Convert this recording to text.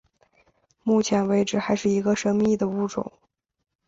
目前为止还是一个神秘的物种。